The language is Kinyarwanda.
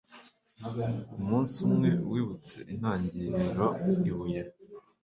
Umunsi umwe wibutse intangiriroibuye